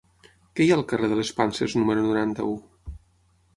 Què hi ha al carrer de les Panses número noranta-u?